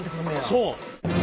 そう。